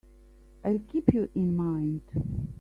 I'll keep you in mind.